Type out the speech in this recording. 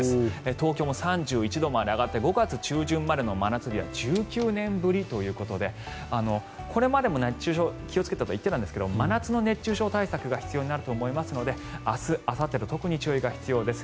東京も３１度まで上がって５月中旬までの真夏日は１９年ぶりということでこれまでも熱中症に気をつけてと言っていたんですが真夏の熱中症対策が必要となると思いますので明日あさってと特に注意が必要です。